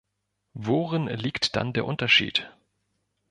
Worin liegt dann der Unterschied?